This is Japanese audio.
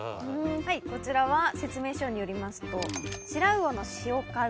こちらは説明書によりますと。